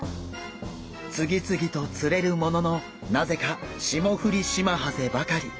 次々と釣れるもののなぜかシモフリシマハゼばかり。